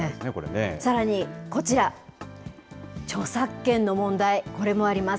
さらにこちら、著作権の問題、これもあります。